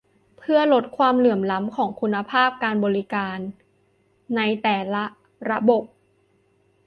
เพื่อลดความเหลื่อมล้ำของคุณภาพการบริการ ในแต่ละระบบ